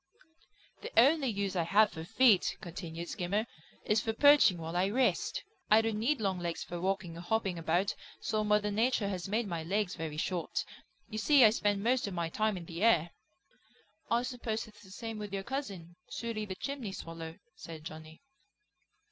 "The only use I have for feet," continued Skimmer, "is for perching while I rest. I don't need long legs for walking or hopping about, so Mother Nature has made my legs very short. You see I spend most of my time in the air." "I suppose it's the same with your cousin; Sooty the Chimney Swallow," said Johnny.